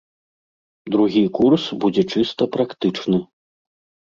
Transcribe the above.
Другі курс будзе чыста практычны.